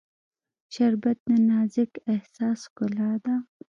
شربت د نازک احساس ښکلا ده